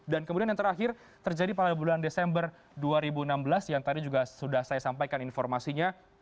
dan kemudian yang terakhir terjadi pada bulan desember dua ribu enam belas yang tadi juga sudah saya sampaikan informasinya